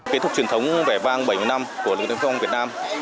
tiếp tục truyền thống vẻ vang bảy mươi năm của lực lượng thanh niên sung phong việt nam